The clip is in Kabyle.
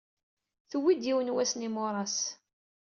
Tuwyed yiwen wass n yimuras.